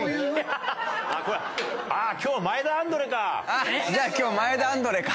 ああじゃあ今日前田アンドレか！